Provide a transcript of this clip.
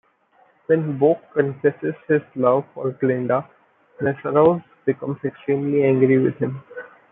When Boq confesses his love for Glinda, Nessarose becomes extremely angry with him.